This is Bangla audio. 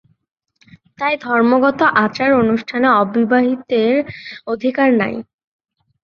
তাই ধর্মগত আচার-অনুষ্ঠানে অবিবাহিতের অধিকার নাই।